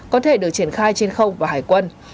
có thể được triển khai trên khâu và hải quân